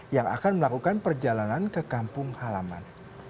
yang akan melakukan perjalanan ke kampung halaman